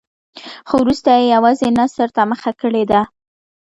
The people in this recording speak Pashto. خو وروسته یې یوازې نثر ته مخه کړې ده.